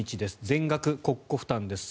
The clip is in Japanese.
全額国庫負担です。